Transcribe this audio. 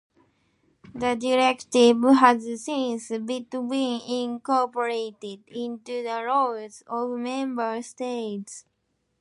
The directive has since been incorporated into the laws of member states.